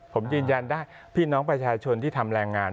ผมยืนยันได้พี่น้องประชาชนที่ทำแรงงาน